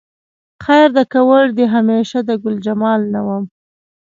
خیر دی که وړ دې همیشه د ګلجمال نه وم